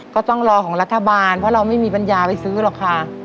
ก็ต้องรอของรัฐบาลเพราะเราไม่มีปัญญาไปซื้อหรอกค่ะ